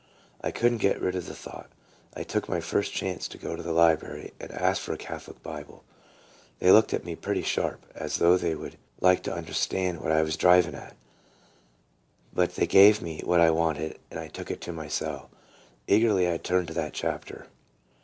I could n't get rid of the thought. I took my first chance to go to the library and ask for a Catholic Bible. They looked at me pretty sharp, as though they would like to understand what I was SEARCHING FOR TRUTH. 23 driving at ; but they gave me what I wanted, and I took it to my cell. Eagerly I turned to that chapter.